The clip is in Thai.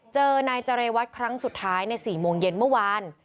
เจอนายเจรวัตรครั้งสุดท้ายใน๔โมงเย็นเมื่อวาน